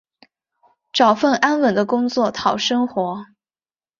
找份安稳的工作讨生活